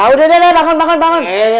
udah deh bangun bangun